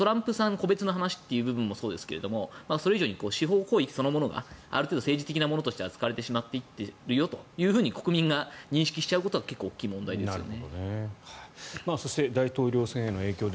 個別の話というのもそうですがそれ以上に司法行為そのものがある程度政治的なものとして扱われていると国民が認識しちゃうことが結構大きい問題ですよね。